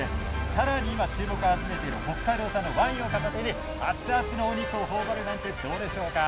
さらに今、注目を集めている北海道産のワインを片手にアツアツのお肉をほおばるなんてどうでしょうか。